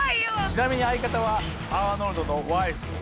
ちなみに相方はアーノルドのワイフだ。